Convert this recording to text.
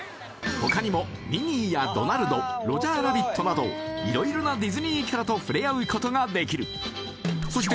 他にもミニーやドナルドロジャーラビットなど色々なディズニーキャラと触れ合うことができるそして